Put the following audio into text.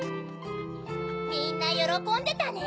みんなよろこんでたね！